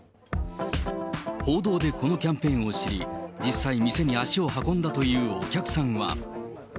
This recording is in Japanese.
報道でこのキャンペーンを知り、実際、店に足を運んだというお客さんは。